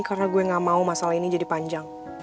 karena gue gak mau masalah ini jadi panjang